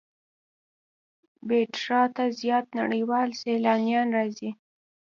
پېټرا ته زیات نړیوال سیلانیان راځي.